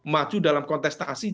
maju dalam kontestasi